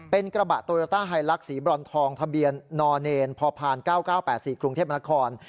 เป็นกระบะโตโยต้าไฮลักษ์สีบรอนทองทะเบียนนพพ๙๙๘๔กรุงเทพมนาคม